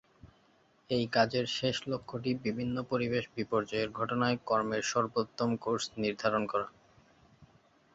এই কাজের শেষ লক্ষ্যটি বিভিন্ন পরিবেশ বিপর্যয়ের ঘটনায় কর্মের সর্বোত্তম কোর্স নির্ধারণ করা।